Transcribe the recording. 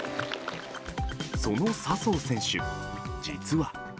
その笹生選手、実は。